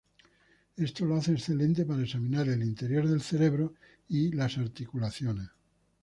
Esto lo hace excelente para examinar el interior del cerebro y las articulaciones.